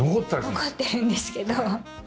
残ってるんですけど。